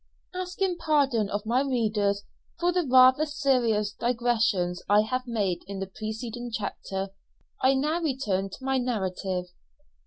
Asking pardon of my readers for the rather serious digressions I have made in the preceding chapter, I now return to my narrative.